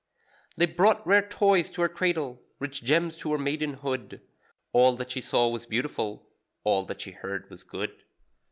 They brought rare toys to her cradle, rich gems to her maidenhood; All that she saw was beautiful, all that she heard was good.